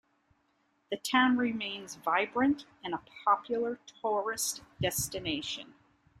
The town remains vibrant and a popular tourist destination.